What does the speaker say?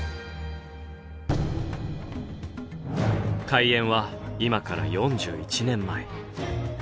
開園は今から４１年前。